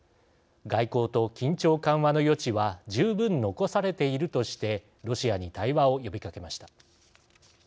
外交と緊張緩和の余地は十分残されているとしてロシアに対話を呼びかけました。